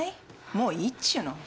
もういいっちゅうの。